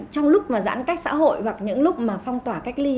trong lúc giãn cách xã hội hoặc những lúc phong tỏa cách ly